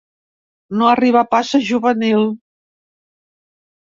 No arriba pas a juvenil.